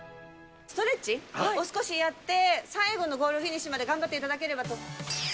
ストレッチを少しやって、最後のゴールフィニッシュまで頑張っていただければと。